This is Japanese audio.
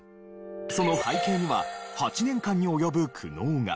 その背景には８年間に及ぶ苦悩が。